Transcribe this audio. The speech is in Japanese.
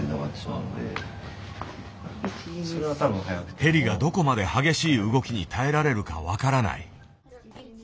ヘリがどこまで激しい動きに耐えられるか分からない。